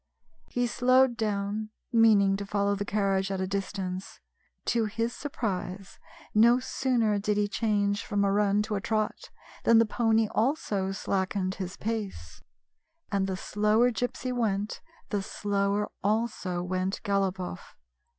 He slowed down, meaning to follow the carriage at a distance. To his sur prise, no sooner did he change from a run to a trot than the pony also slackened his pace, and 5~ Gypsy. • GYPSY, THE TALKING DOG the slower Gypsy went the slower also went Galopoff.